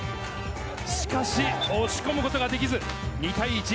しかし押し込むことができず、２対１。